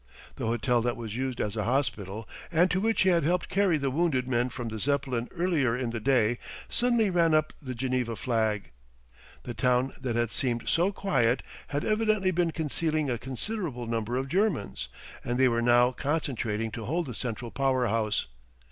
The hotel that was used as a hospital, and to which he had helped carry the wounded men from the Zeppelin earlier in the day, suddenly ran up the Geneva flag. The town that had seemed so quiet had evidently been concealing a considerable number of Germans, and they were now concentrating to hold the central power house.